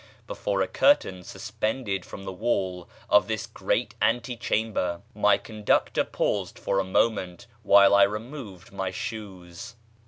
Before a curtain suspended from the wall of this great ante chamber my conductor paused for a moment while I removed my shoes.